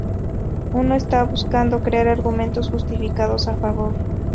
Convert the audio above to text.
Uno está buscando crear argumentos justificados a favor.